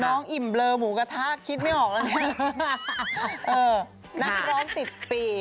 น้องอิ่มเบลอหมูกระทะคิดไม่ออกแล้วเนี่ย